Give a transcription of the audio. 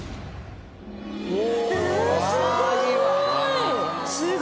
お！